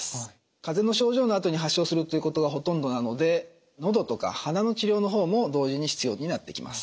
風邪の症状のあとに発症するということがほとんどなのでのどとか鼻の治療の方も同時に必要になってきます。